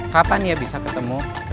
kapan ya bisa ketemu